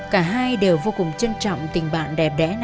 cả hai đều vô cùng trân trọng tình bạn đẹp đẽ này